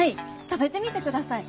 食べてみてください。